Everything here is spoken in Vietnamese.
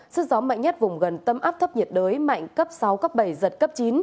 sức gió mạnh nhất vùng gần tâm áp thấp nhiệt đới mạnh cấp sáu cấp bảy giật cấp chín